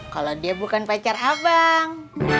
kalau dia bukan pacar abang